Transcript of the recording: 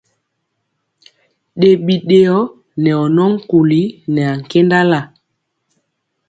Ɗe biɗeyɔ nɛ ɔ nɔ nkuli nɛ ankendala.